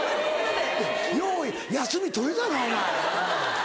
よう休み取れたなお前。